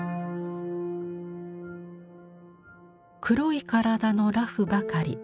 黒い体の裸婦ばかり。